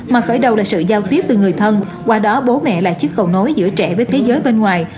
mà khởi đầu là sự giao tiếp từ người thân qua đó bố mẹ là chiếc cầu nối giữa trẻ với thế giới bên ngoài